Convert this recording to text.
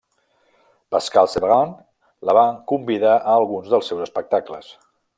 Pascal Sevran la va convidar a alguns dels seus espectacles.